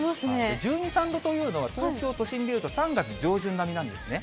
１２、３度というのは、東京都心でいうと、３月上旬並みなんですね。